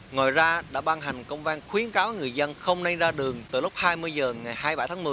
ngoài ra đã ban hành công vang khuyến cáo người dân không nên ra đường từ lúc hai mươi h ngày hai mươi bảy tháng một mươi